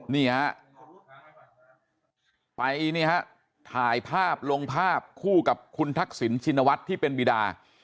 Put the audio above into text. นี่ฮะไปเนี่ยฮะถ่ายภาพลงภาพคู่กับคุณทักษิณชินวัฒน์ที่เป็นบิดา